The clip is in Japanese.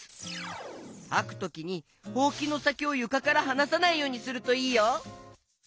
はくときにほうきのさきをゆかからはなさないようにするといいよ。